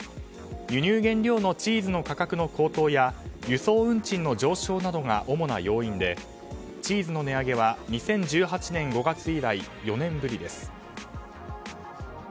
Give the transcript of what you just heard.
輸入原料のチーズの価格の高騰や輸送運賃の上昇が主な要因でチーズの値上げは２０１８年５月以来４年ぶりです。